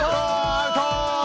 アウト！